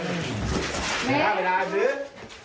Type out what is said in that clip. เวลาดึง